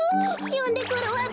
よんでくるわべ！